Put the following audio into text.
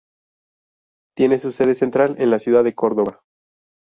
Tiene su sede central en la ciudad de Córdoba.